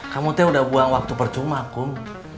kamu teh udah buang waktu percuma kum